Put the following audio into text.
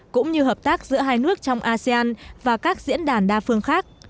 cũng như hợp tác giữa hai nước trong asean và các diễn đàn đa phương khác